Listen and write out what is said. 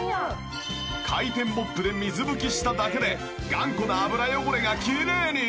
回転モップで水拭きしただけで頑固な油汚れがきれいに！